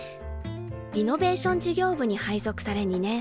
リノベーション事業部に配属され２年半。